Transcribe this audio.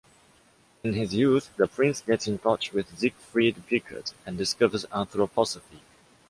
In his youth, the prince gets in touch with Siegfried Pickert and discovers anthroposophy.